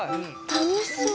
楽しそう。